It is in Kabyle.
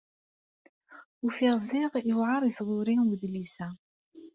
Ufiɣ ziɣ yewɛeṛ i tɣuṛi wedlis-a.